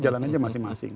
jalan aja masing masing